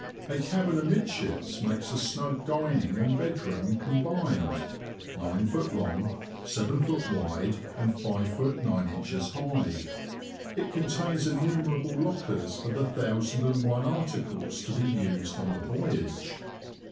A cabin amidships makes a snug dining and bedroom combined, 9ft. long, 7ft. wide, and 5ft. 9in. high. It contains innumerable lockers for the thousand and one articles to be used on the voyage.